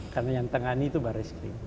karena yang tengah ini itu baris krim